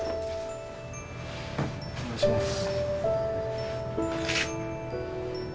お願いします。